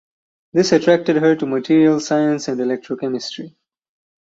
This attracted her to materials science and electrochemistry.